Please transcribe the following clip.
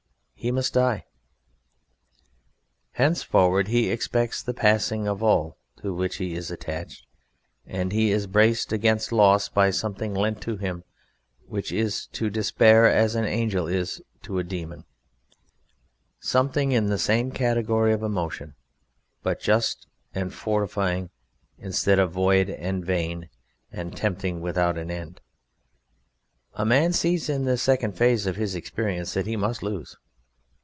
He must die. Henceforward he expects the passing of all to which he is attached, and he is braced against loss by something lent to him which is to despair as an angel is to a demon; something in the same category of emotion, but just and fortifying, instead of void and vain and tempting and without an end. A man sees in this second phase of his experience that he must lose.